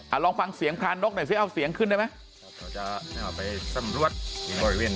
อ่ะลองฟังเสียงพระนกด้วยซิเอาเสียงขึ้นได้มั้ย